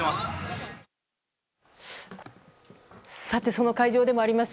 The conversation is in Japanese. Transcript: その会場でもあります